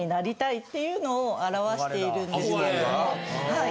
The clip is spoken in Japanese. はい。